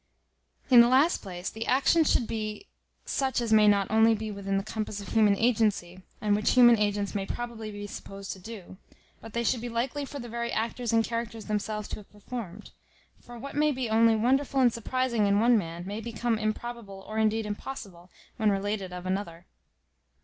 In the last place, the actions should be such as may not only be within the compass of human agency, and which human agents may probably be supposed to do; but they should be likely for the very actors and characters themselves to have performed; for what may be only wonderful and surprizing in one man, may become improbable, or indeed impossible, when related of another.